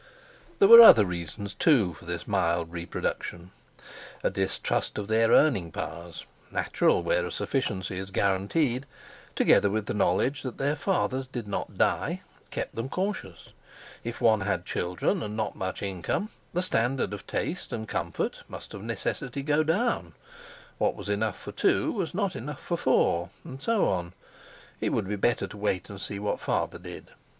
There were other reasons, too, for this mild reproduction. A distrust of their earning powers, natural where a sufficiency is guaranteed, together with the knowledge that their fathers did not die, kept them cautious. If one had children and not much income, the standard of taste and comfort must of necessity go down; what was enough for two was not enough for four, and so on—it would be better to wait and see what Father did.